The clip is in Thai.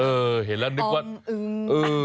เออเห็นแล้วนึกว่าอ๋อมอึง